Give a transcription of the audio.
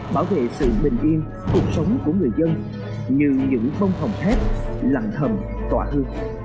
bảo vệ sự bình yên cuộc sống của người dân như những bông hồng thép lằng thầm tỏa hư